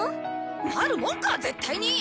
なるもんか絶対に！